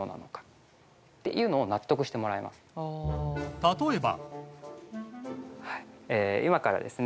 例えば。